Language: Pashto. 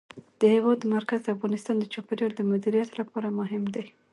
د هېواد مرکز د افغانستان د چاپیریال د مدیریت لپاره مهم دي.